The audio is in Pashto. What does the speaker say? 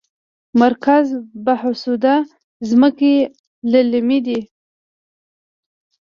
مرکز بهسود ځمکې للمي دي؟